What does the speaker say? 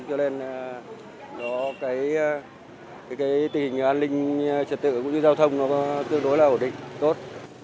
cho nên tình hình an ninh trật tự cũng như giao thông tương đối là ổn định tốt